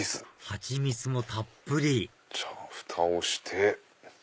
蜂蜜もたっぷりふたをして。